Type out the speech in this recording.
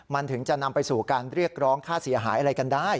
มันถึงจะนำไปสู่การเรียกร้องค่าเสียหายอะไรกันได้